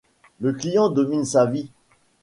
Le client domine sa vie.